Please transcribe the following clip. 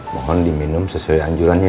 mohon diminum sesuai anjuran ya